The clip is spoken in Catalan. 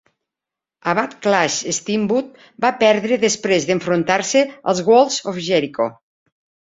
A Backlash, Steamboat va perdre després d'enfrontar-se als Walls of Jericho.